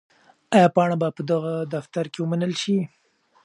آیا پاڼه به په دغه دفتر کې ومنل شي؟